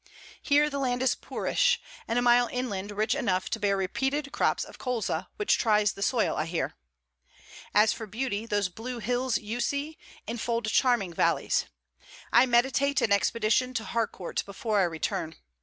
'Here the land is poorish, and a mile inland rich enough to bear repeated crops of colza, which tries the soil, I hear. As for beauty, those blue hills you see, enfold charming valleys. I meditate an expedition to Harcourt before I return.